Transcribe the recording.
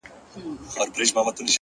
چي ته راتلې هيڅ يو قدم دې ساه نه درلوده”